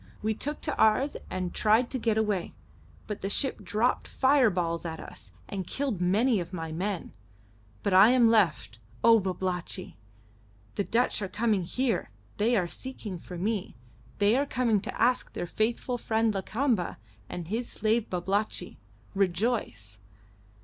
We took to ours and tried to get away, but the ship dropped fireballs at us, and killed many of my men. But I am left, O Babalatchi! The Dutch are coming here. They are seeking for me. They are coming to ask their faithful friend Lakamba and his slave Babalatchi. Rejoice!"